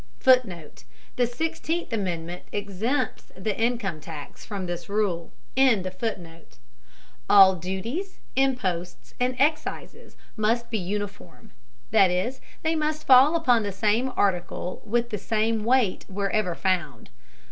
[Footnote: The Sixteenth Amendment exempts the income tax from this rule.] All duties, imposts, and excises must be uniform, that is, they must fall upon the same article with the same weight wherever found.